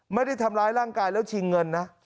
ไม่ได้ทำร้ายร่างกายแล้วชิงเงินนะ